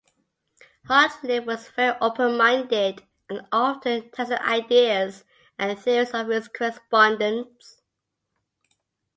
Hartlib was very open-minded, and often tested the ideas and theories of his correspondents.